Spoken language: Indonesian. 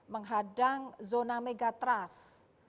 menghadang zona megatrust